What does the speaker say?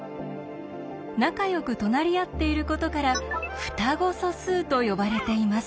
仲よく隣り合っていることから「双子素数」と呼ばれています。